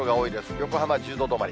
横浜は１０度止まり。